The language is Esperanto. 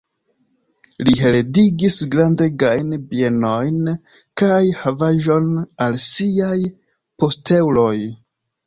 Li heredigis grandegajn bienojn kaj havaĵon al siaj posteuloj.